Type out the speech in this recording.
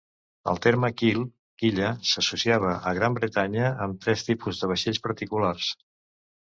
El terme "keel" (quilla) s'associava a Gran Bretanya amb tres tipus de vaixells particulars.